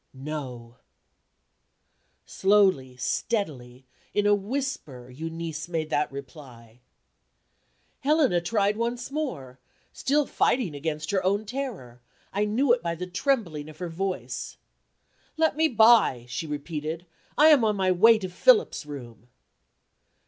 "No." Slowly, steadily, in a whisper, Euneece made that reply. Helena tried once more still fighting against her own terror: I knew it by the trembling of her voice. "Let me by," she repeated; "I am on my way to Philip's room."